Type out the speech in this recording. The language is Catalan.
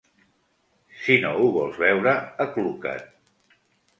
Si no ho vols veure, acluca't.